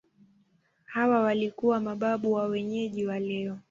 Hawa walikuwa mababu wa wenyeji wa leo.